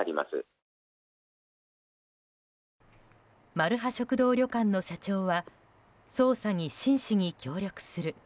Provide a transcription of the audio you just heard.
まるは食堂旅館の社長は捜査に真摯に協力する。